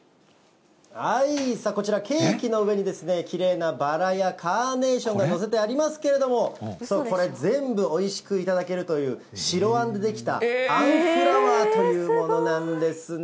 こちら、ケーキの上にきれいなバラやカーネーションが載せてありますけれども、全部これ、おいしく頂けるという白あんで出来た、あんフラワーというものなんですね。